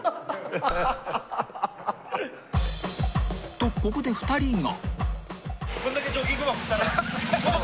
［とここで２人が］